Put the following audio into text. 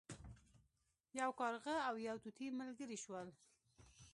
یو کارغه او یو طوطي ملګري شول.